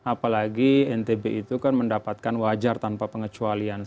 apalagi ntb itu kan mendapatkan wajar tanpa pengecualian